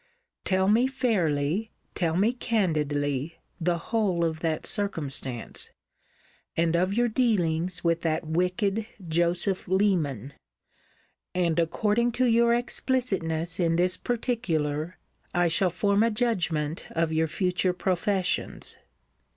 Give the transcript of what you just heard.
Tell me fairly, tell me candidly, the whole of that circumstance; and of your dealings with that wicked Joseph Leman; and, according to your explicitness in this particular, I shall form a judgment of your future professions.